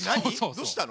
どうしたの？